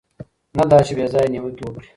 نه دا چې بې ځایه نیوکې وکړي.